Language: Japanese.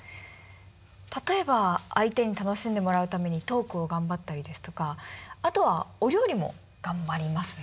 例えば相手に楽しんでもらうためにトークを頑張ったりですとかあとはお料理も頑張りますね。